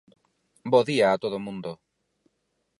Bo día a todo o mundo.